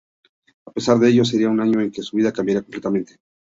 A pesar de ello, sería un año en que su vida cambiaría completamente.